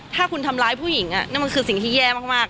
ถ้าคุณทำร้ายผู้หญิงนั่นมันคือสิ่งที่แย่มาก